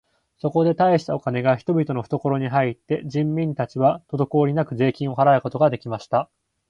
そこで大したお金が人々のふところに入って、人民たちはとどこおりなく税金を払うことが出来ました。